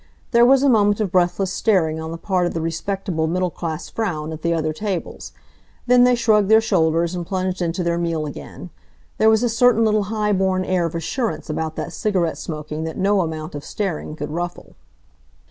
There was a moment of breathless staring on the part of the respectable middle class Frauen at the other tables. Then they shrugged their shoulders and plunged into their meal again. There was a certain little high born air of assurance about that cigarette smoking that no amount of staring could ruffle.